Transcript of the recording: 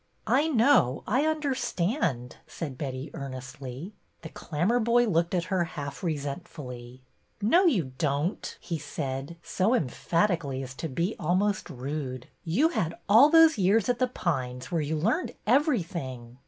'' I know, I understand," said Betty, earnestly. The Clammerboy looked at her half resentfully. '' No, you don't," he said, so emphatically as to be almost rude. You had all those years at The Pines, where you learned everything."